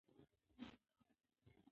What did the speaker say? موږ د خپل تاریخ درناوی کوو.